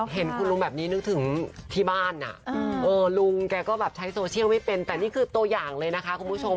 เห็นคุณลุงแบบนี้นึกถึงที่บ้านลุงแกก็แบบใช้โซเชียลไม่เป็นแต่นี่คือตัวอย่างเลยนะคะคุณผู้ชม